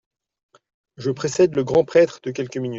Je précède le grand prêtre de quelques minutes.